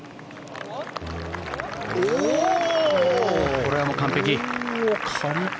これはもう完璧。